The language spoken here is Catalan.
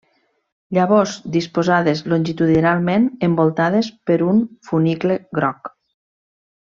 Llavors disposades longitudinalment, envoltades per un funicle groc.